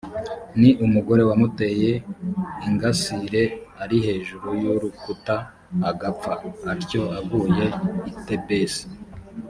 ni umugore wamuteye ingasire ari hejuru y’urukuta agapfa atyo aguye i tebesi